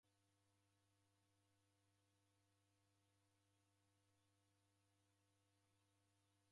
Kwakii nguw'o ra mwana ranyelwa mukoaeni ainyaa?